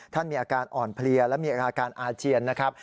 มีอาการอ่อนเพลียและมีอาการอาเจียนนะครับ